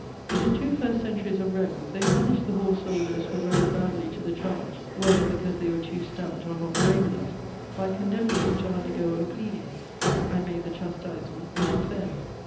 In the two first centuries of Rome, they punished the horse soldiers who rode badly to the charge, whether because they were too stout or not brave enough, by condemning them to undergo a bleeding: I made the chastisement my affair.